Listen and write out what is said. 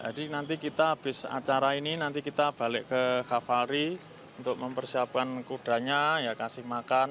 jadi nanti kita habis acara ini nanti kita balik ke kavali untuk mempersiapkan kudanya ya kasih makan